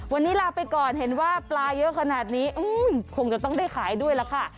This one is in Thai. วันนี้ลาไปก่อนเห็นว่าปลาเยอะขนาดนี้คงจะต้องได้ขายด้วยล่ะค่ะ